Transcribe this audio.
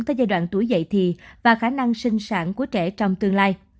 tới giai đoạn tuổi dạy thì và khả năng sinh sản của trẻ trong tương lai